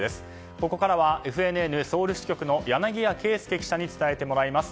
ここからはＦＮＮソウル支局の柳谷圭亮記者に伝えてもらいます。